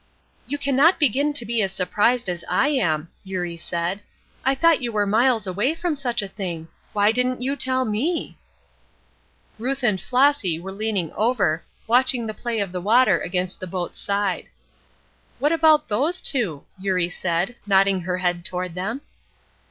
"You cannot begin to be as surprised as I am," Eurie said. "I thought you were miles away from such a thing. Why didn't you tell me?" Ruth and Flossy were leaning over, watching the play of the water against the boat's side. "What about those two?" Eurie said, nodding her head toward them.